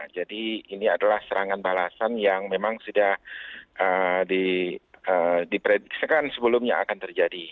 jadi ini adalah serangan balasan yang memang sudah diprediksikan sebelumnya akan terjadi